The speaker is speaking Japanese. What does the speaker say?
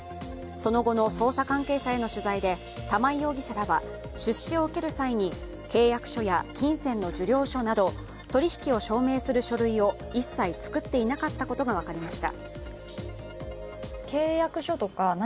その後の捜査関係者への取材で、玉井容疑者らは出資を受ける際に、契約書や金銭の受領書など取引を証明する書類を一切作っていなかったことが分かりました。